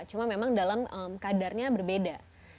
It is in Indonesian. cuma memang dalam kadarnya berbeda